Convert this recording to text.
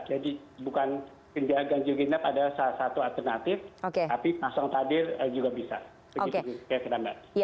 jadi bukan ginjil ginap adalah salah satu alternatif tapi pasang tabir juga bisa